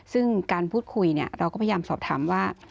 ซึ่งการพูดคุยเราก็พยายามสอบถามว่า